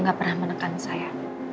naya pernah menekan saya